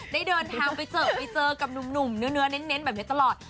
ได้เดินทางไปเจอกับหนุ่มเนื้อเน้นตลอด